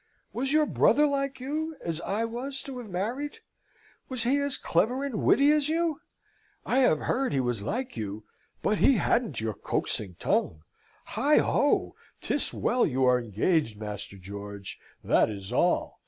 Was your brother like you, as I was to have married? Was he as clever and witty as you? I have heard he was like you: but he hadn't your coaxing tongue. Heigho! 'Tis well you are engaged, Master George, that is all.